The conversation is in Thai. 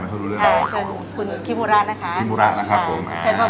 คนญี่ปุ่นแท้เปล่า